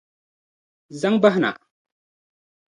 Zaŋ bahi na!